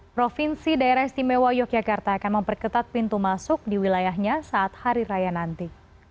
provinsi daerah istimewa yogyakarta akan memperketat pintu masuk di wilayahnya saat hari raya nanti